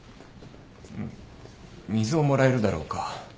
ん水をもらえるだろうか１杯。